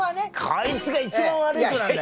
こいつが一番悪い子なんだよ。